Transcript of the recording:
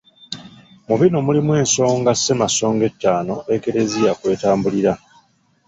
Mu bino mulimu ensonga Ssemasonga ettaano Ekereziya kw'etambulira.